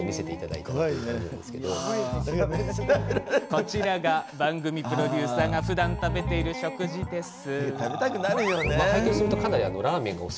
こちらが、番組プロデューサーがふだん食べている食事です。